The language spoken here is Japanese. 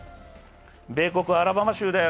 米国アラバマ州です。